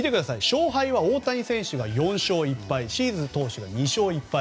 勝敗は大谷選手が４勝１敗シーズ投手が２勝１敗。